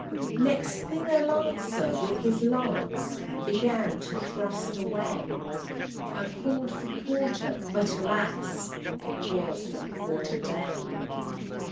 "Next thing a lancer, with his lance, Began to thrust away; I call'd for quarter, but, alas! It was not Quarter day.